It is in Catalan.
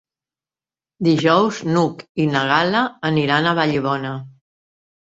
Dijous n'Hug i na Gal·la aniran a Vallibona.